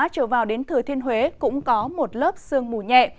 trở vào đến thừa thiên huế cũng có một lớp sương mù nhẹ